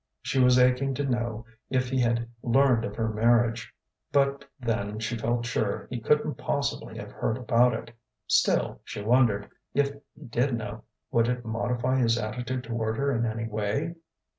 She was aching to know if he had learned of her marriage. But then she felt sure he couldn't possibly have heard about it. Still, she wondered, if he did know, would it modify his attitude toward her in any way?